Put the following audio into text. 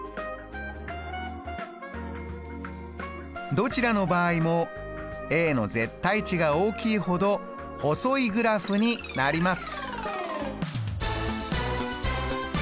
どちらの場合もの絶対値が大きいほど細いグラフになります。